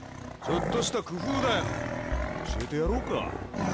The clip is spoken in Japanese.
ちょっとした工夫だよ。教えてやろうか？